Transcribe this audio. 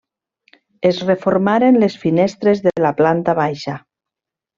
Es reformaren les finestres de la planta baixa.